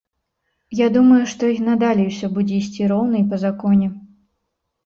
Я думаю, што і надалей усё будзе ісці роўна і па законе.